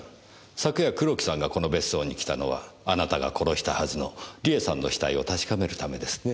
昨夜黒木さんがこの別荘に来たのはあなたが殺したはずの梨絵さんの死体を確かめるためですね？